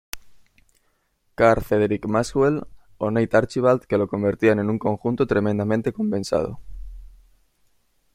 Carr, Cedric Maxwell o Nate Archibald, que lo convertían en un conjunto tremendamente compensado.